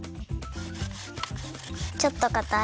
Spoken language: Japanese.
ちょっとかたい？